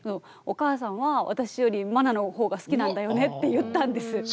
「お母さんは私より茉奈の方が好きなんだよね」って言ったんです。